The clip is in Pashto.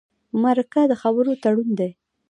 مرکه د خبرو تړون دی.